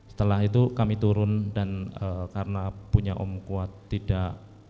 setelah itu kami turun dan karena punya om kuat tidak